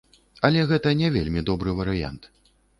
Але гэта не вельмі добры варыянт.